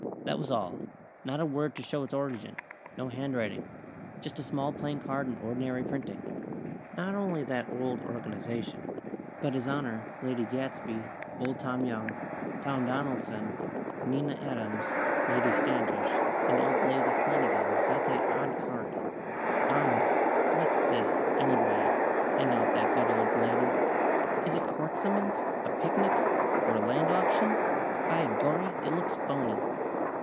That was all. Not a word to show its origin. No handwriting. Just a small, plain card in ordinary printing. Not only that old Organization, but His Honor, Lady Gadsby, Old Tom Young, Tom Donaldson, Nina Adams, Lady Standish and Old Lady Flanagan got that odd card. "Arrah! Phwat's this, anny way?" sang out that good old lady. "Is it court summons, a picnic, or a land auction? By gorry, it looks phony!"